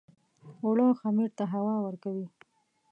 اوړه خمیر ته هوا ورکوي